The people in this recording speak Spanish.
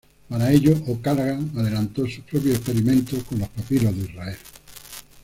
Para ello, O'Callaghan adelantó sus propios experimentos con los papiros en Israel.